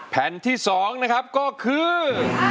แผ่นที่๒นะครับก็คือ